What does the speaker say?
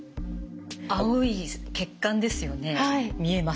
青い血管ですよね。見えます。